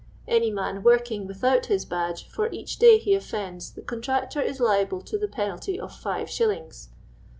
" Any man working without his Badge, for each day he offends, the Contractor is liable to the penalty of Five Shillings.